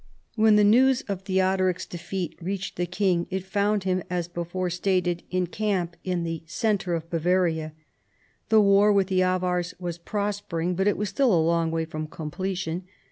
When the news of Thcodoric's defeat reached the king it found him, as before stated, in camp in the centre of Bavaria. The war with the Avars was pros pering, but it was still a long way from completion.